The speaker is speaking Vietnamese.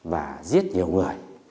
và giết nhiều người